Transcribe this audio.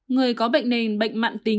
người có bệnh nền bệnh mạng tính